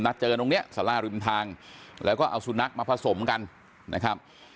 นัดเจอกันตรงนี้สร้างริมทางแล้วก็เอาสุนัขมาผสมกันนะครับ